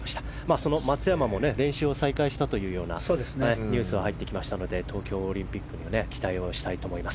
その松山も練習を再開したというようなニュースが入ってきましたので東京オリンピックには期待をしたいと思います。